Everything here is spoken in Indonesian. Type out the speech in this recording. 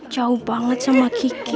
jauh banget sama kiki